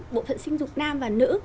bộ phận sinh dục nam và nữ